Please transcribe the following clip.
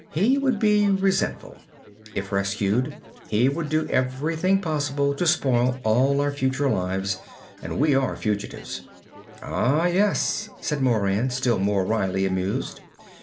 He would be resentful. If rescued, he would do everything possible to spoil all our future lives, and we are fugitives." "Ah, yes!" said Moran, still more wryly amused.